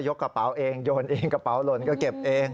กระเป๋าเองโยนเองกระเป๋าหล่นก็เก็บเอง